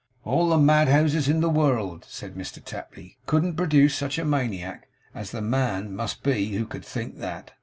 'All the madhouses in the world,' said Mr Tapley, 'couldn't produce such a maniac as the man must be who could think that.